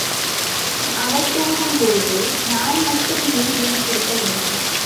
அவள் தூங்கும்போது நான் மட்டும் ஏன் விழித்திருக்க வேண்டும்?